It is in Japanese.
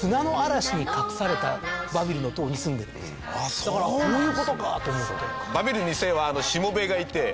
だからこういう事か！と思って。